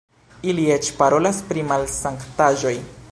Ili eĉ parolas pri malsanktaĵoj!